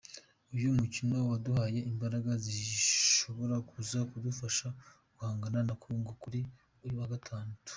Uyu mukino waduhaye imbaraga zishobora kuza kudufasha guhangana na Congo kuri uyu wa gatatu.